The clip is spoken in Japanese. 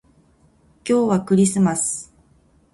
今日はクリスマス